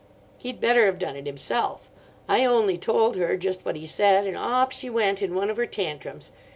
He'd better have done it himself. I only told her just what he said, and off she went in one of her tantrums.